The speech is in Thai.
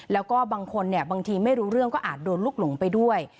แล้วก็บางคนบางทีไม่รู้เรื่องก็อาจโดนลูกหลงไปด้วย